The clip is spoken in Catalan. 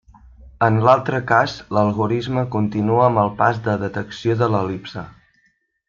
En l'altre cas l'algorisme continua amb el pas de detecció de l'el·lipse.